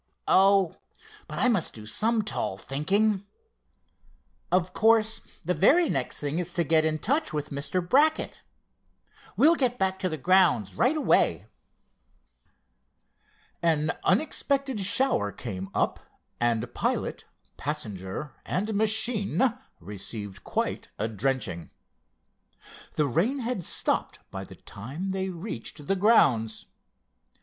Oh, but I must do some tall thinking! Of course the very next thing is to get in touch with Mr. Brackett. We'll get back to the grounds right away." An unexpected shower came up, and pilot, passenger and machine received quite a drenching. The rain had stopped by the time they reached the grounds.